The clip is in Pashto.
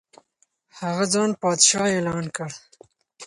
هغه ځان پادشاه اعلان کړ.